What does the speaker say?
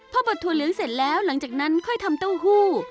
พอบดถั่วเหลืองเสร็จแล้วหลังจากนั้นค่อยทำเต้าหู้